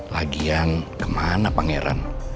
lagian kemana pangeran